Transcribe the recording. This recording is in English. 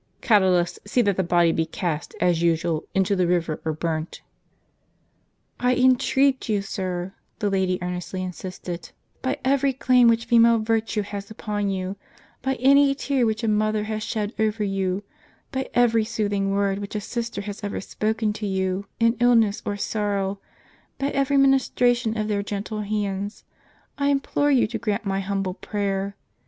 Catulus, see that the body be cast, as usual, into the river, or burnt." "I entreat you, sir," the lady earnestly insisted, "by every claim which female virtue has upon you, by any tear which a mother has shed over you, by every soothing word which a sister has ever spoken to you, in illness or sorrow ; by every ministration of their gentle hands, I implore you to grant my humble prayer.